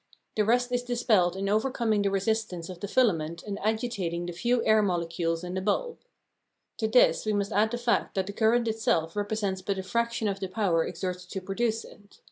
The rest is dispelled in overcoming the resistance of the filament and agitating the few air molecules in the bulb. To this we must add the fact that the current itself represents but a fraction of the power exerted to produce it.